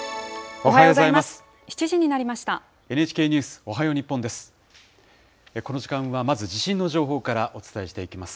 おはようございます。